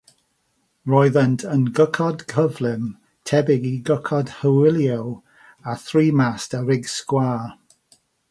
Roeddent yn gychod cyflym, tebyg i gychod hwylio, â thri mast a rig sgwâr.